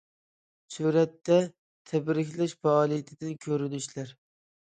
سۈرەتتە: تەبرىكلەش پائالىيىتىدىن كۆرۈنۈشلەر.